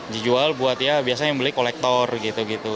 dijual buat ya biasanya yang beli kolektor gitu gitu